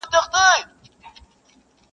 ښه په ټینګه مي تعهد ور سره کړی-